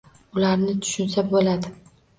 Ularni tushunsa bo‘ladi.